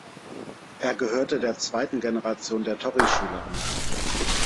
Er gehörte der zweiten Generation der Torii-Schule an.